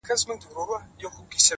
وخت پر ما ژاړي وخت له ما سره خبرې کوي!!